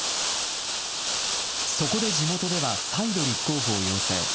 そこで地元では再度、立候補を要請。